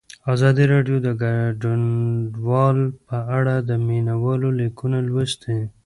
ازادي راډیو د کډوال په اړه د مینه والو لیکونه لوستي.